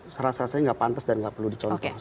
serasa saya tidak pantas dan tidak perlu dicontoh